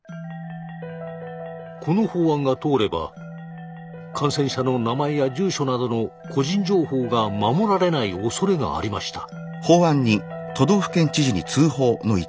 この法案が通れば感染者の名前や住所などの個人情報が守られないおそれがありました。